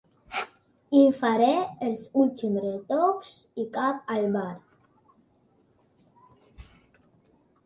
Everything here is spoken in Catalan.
Hi faré els últims retocs i cap al bar.